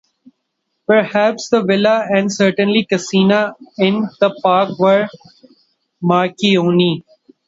Perhaps the villa, and certainly a casina in the park were by Marchionni.